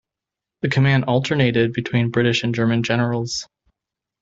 The command alternated between British and German generals.